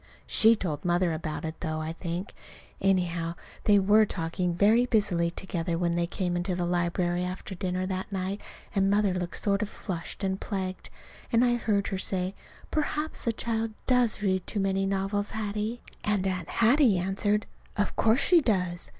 She told Mother about it, though, I think. Anyhow, they were talking very busily together when they came into the library after dinner that night, and Mother looked sort of flushed and plagued, and I heard her say, "Perhaps the child does read too many novels, Hattie." And Aunt Hattie answered, "Of course she does!"